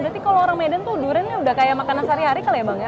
berarti kalau orang medan tuh duriannya udah kayak makanan sehari hari kali ya bang ya